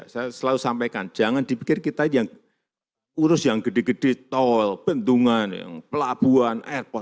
saya selalu sampaikan jangan dipikir kita yang urus yang gede gede tol bendungan pelabuhan airport